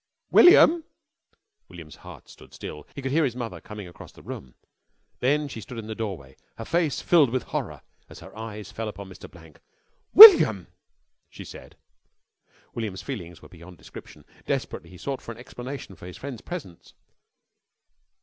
"William!" William's heart stood still. He could hear his mother coming across the room, then she stood in the doorway. Her face filled with horror as her eye fell upon Mr. Blank. "William!" she said. William's feelings were beyond description. Desperately he sought for an explanation for his friend's presence.